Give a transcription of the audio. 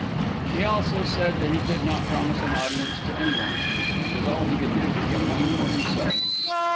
He also said he could not promise an audience to any one. It was all he could do to get one for himself.